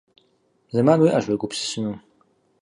Зэман уиӀащ уегупсысыну.